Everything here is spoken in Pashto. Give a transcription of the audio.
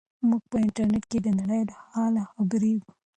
موږ په انټرنیټ کې د نړۍ له حاله خبریږو.